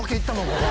ここ。